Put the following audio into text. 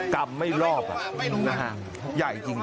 กล่ำไม่รอบน่าใหญ่จริง